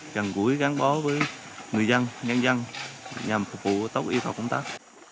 gần gũi gắn bó với người dân nhân dân nhằm phục vụ tốc yếu tỏa công tác